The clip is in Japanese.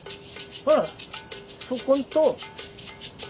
ほらそこんと。